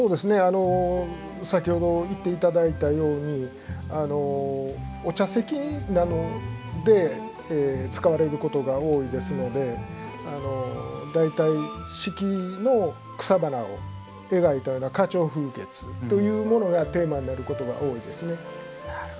先ほど言っていただいたようにお茶席などで使われることが多いですので大体、四季の草花を描いた花鳥風月というものがテーマになることが多いですね。